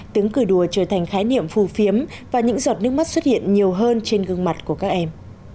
tiếng cười đùa trở thành khái niệm phù phiếm và những giọt nước mắt xuất hiện nhiều hơn trên gương mặt của các em